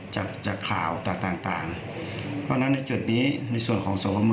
จับจาก